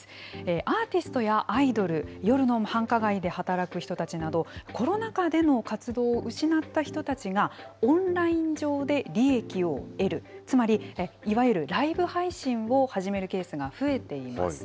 アーティストやアイドル、夜の繁華街で働く人たちなど、コロナ禍での活動を失った人たちが、オンライン上で利益を得る、つまり、いわゆるライブ配信を始めるケースが増えています。